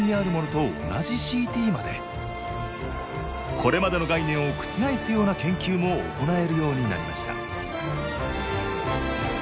これまでの概念を覆すような研究も行えるようになりました